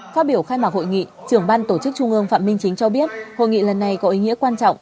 phát biểu khai mạc hội nghị trưởng ban tổ chức trung ương phạm minh chính cho biết hội nghị lần này có ý nghĩa quan trọng